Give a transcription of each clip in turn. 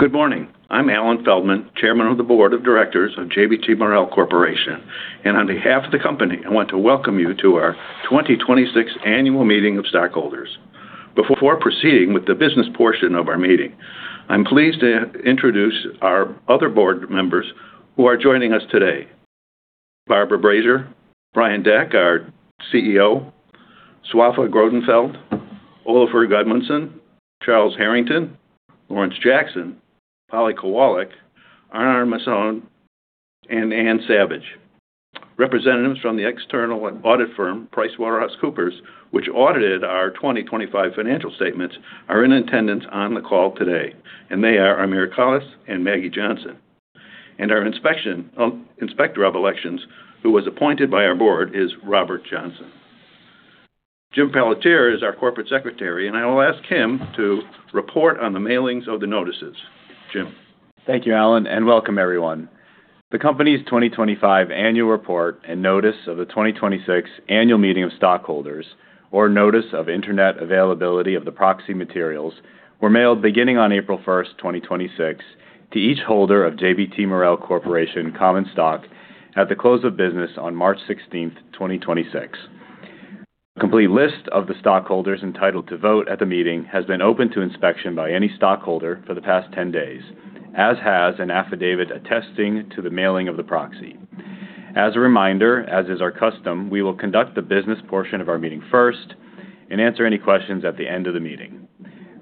Good morning. I'm Alan Feldman, chairman of the board of directors of JBT Marel Corporation. On behalf of the company, I want to welcome you to our 2026 annual meeting of stockholders. Before proceeding with the business portion of our meeting, I'm pleased to introduce our other board members who are joining us today. Barbara Brasier, Brian Deck, our CEO, Svafa Grönfeldt, Ólafur Gudmundsson, Charles Harrington, Lawrence Jackson, Polly Kawalek, Arnar Masson, and Ann Savage. Representatives from the external audit firm PricewaterhouseCoopers, which audited our 2025 financial statements, are in attendance on the call today. They are Amir Kalas and Maggie Johnson. Our Inspector of Elections, who was appointed by our board, is Robert Johnson. Jim Pelletier is our Corporate Secretary, and I will ask him to report on the mailings of the notices. Jim. Thank you, Alan, and welcome everyone. The company's 2025 annual report and notice of the 2026 annual meeting of stockholders or notice of Internet availability of the proxy materials were mailed beginning on April 1st 2026 to each holder of JBT Marel Corporation common stock at the close of business on March 16th, 2026. A complete list of the stockholders entitled to vote at the meeting has been open to inspection by any stockholder for the past 10 days, as has an affidavit attesting to the mailing of the proxy. As a reminder, as is our custom, we will conduct the business portion of our meeting first and answer any questions at the end of the meeting.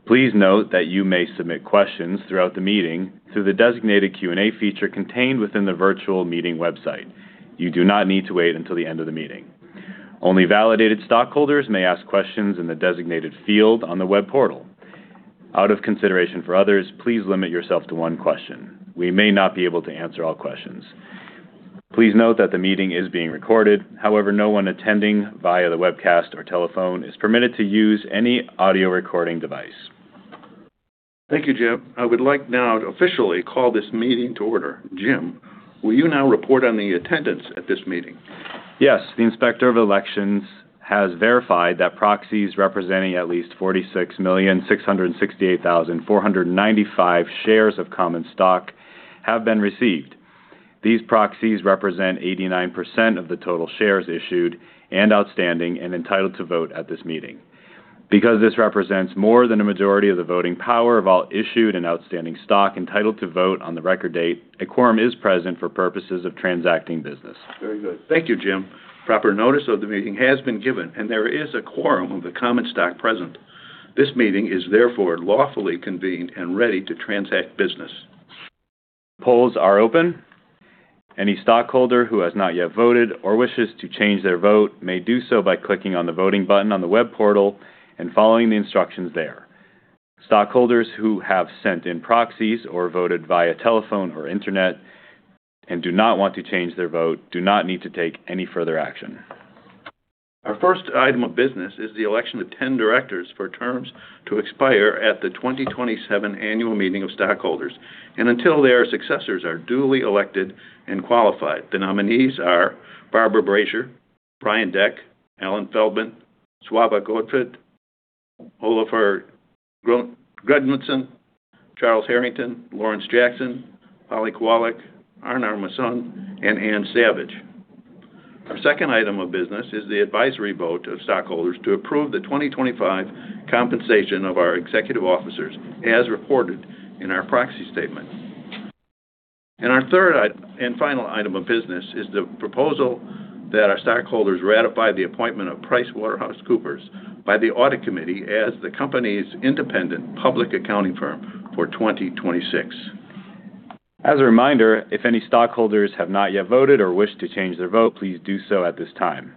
Please note that you may submit questions throughout the meeting through the designated Q&A feature contained within the virtual meeting website. You do not need to wait until the end of the meeting. Only validated stockholders may ask questions in the designated field on the web portal. Out of consideration for others, please limit yourself to one question. We may not be able to answer all questions. Please note that the meeting is being recorded. However, no one attending via the webcast or telephone is permitted to use any audio recording device. Thank you, Jim. I would like now to officially call this meeting to order. Jim, will you now report on the attendance at this meeting? Yes. The Inspector of Elections has verified that proxies representing at least 46,668,495 shares of common stock have been received. These proxies represent 89% of the total shares issued and outstanding and entitled to vote at this meeting. Because this represents more than a majority of the voting power of all issued and outstanding stock entitled to vote on the record date, a quorum is present for purposes of transacting business. Very good. Thank you, Jim. Proper notice of the meeting has been given, and there is a quorum of the common stock present. This meeting is therefore lawfully convened and ready to transact business. The polls are open. Any stockholder who has not yet voted or wishes to change their vote may do so by clicking on the voting button on the web portal and following the instructions there. Stockholders who have sent in proxies or voted via telephone or Internet and do not want to change their vote do not need to take any further action. Our first item of business is the election of 10 directors for terms to expire at the 2027 annual meeting of stockholders, and until their successors are duly elected and qualified. The nominees are Barbara Brasier, Brian Deck, Alan Feldman, Svafa Grönfeldt, Ólafur Gudmundsson, Charles Harrington, Lawrence Jackson, Polly Kawalek, Arnar Masson, and Ann Savage. Our second item of business is the advisory vote of stockholders to approve the 2025 compensation of our executive officers, as reported in our proxy statement. Our third and final item of business is the proposal that our stockholders ratify the appointment of PricewaterhouseCoopers by the audit committee as the company's independent public accounting firm for 2026. As a reminder, if any stockholders have not yet voted or wish to change their vote, please do so at this time.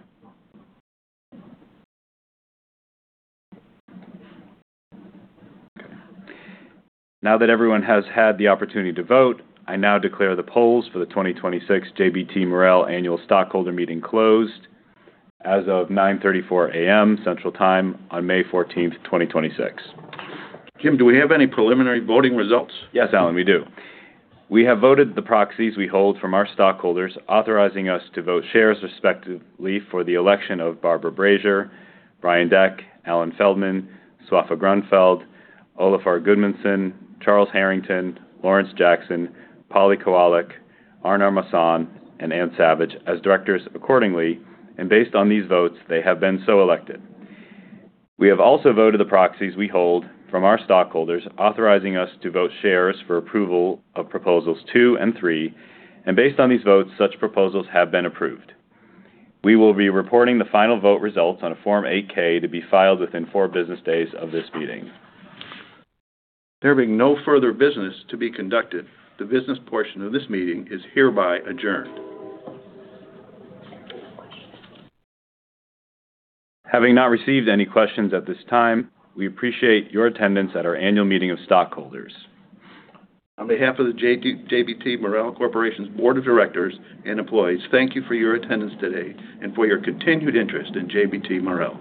Now that everyone has had the opportunity to vote, I now declare the polls for the 2026 JBT Marel annual stockholder meeting closed as of 9:34 A.M. Central Time on May 14th, 2026. Jim, do we have any preliminary voting results? Yes, Alan, we do. We have voted the proxies we hold from our stockholders authorizing us to vote shares respectively for the election of Barbara Brasier, Brian Deck, Alan Feldman, Svafa Grönfeldt, Ólafur Gudmundsson, Charles Harrington, Lawrence Jackson, Polly Kawalek, Arnar Masson, and Ann Savage as directors accordingly, and based on these votes, they have been so elected. We have also voted the proxies we hold from our stockholders authorizing us to vote shares for approval of proposals two and three, and based on these votes, such proposals have been approved. We will be reporting the final vote results on a Form 8-K to be filed within four business days of this meeting. There being no further business to be conducted, the business portion of this meeting is hereby adjourned. Having not received any questions at this time, we appreciate your attendance at our annual meeting of stockholders. On behalf of the JBT Marel Corporation's board of directors and employees, thank you for your attendance today and for your continued interest in JBT Marel.